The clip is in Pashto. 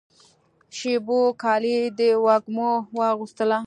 شېبو کالي د وږمو واغوستله